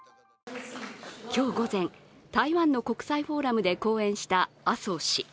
今日午前、台湾の国際フォーラムで講演した麻生氏。